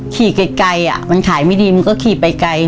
ขี่ไกลมันขายไม่ดีมันก็ขี่ไปไกล